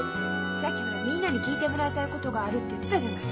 さっき「みんなに聞いてもらいたいことがある」って言ってたじゃない？